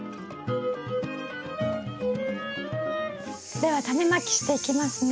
ではタネまきしていきますね。